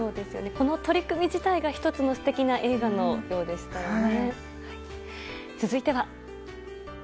この取り組み自体が１つの素敵な映画のようでしたね。